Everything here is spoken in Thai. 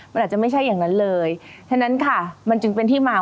มันอาจจะไม่ใช่อย่างนั้นเลยฉะนั้นค่ะมันจึงเป็นที่มา